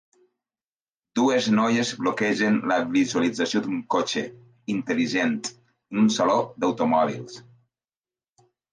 Dues noies bloquegen la visualització d'un cotxe intel·ligent en un saló d'automòbils